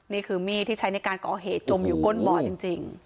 นี่คือมีดที่ใช้ในการก่อเหตุจมอยู่ก้นบ่อจริง